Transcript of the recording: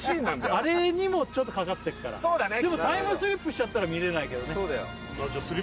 あれにもちょっとかかってっからでもタイムスリップしちゃったら見れないけどね